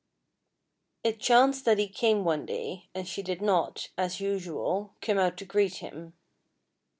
It chanced that he came one day, and she did not, as usual, come out to greet him.